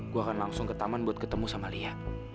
gue akan langsung ke taman buat ketemu sama lia